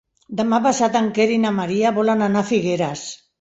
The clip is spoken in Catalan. Demà passat en Quer i na Maria volen anar a Figueres.